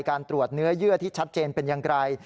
การตรวจเนื้อเยื่อที่ชัดเจนเป็นอย่างไร